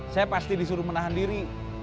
saya pasti disuruh menahan diri